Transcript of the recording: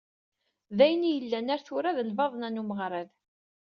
D ayen i yellan ar tura d lbaḍna n umeɣrad.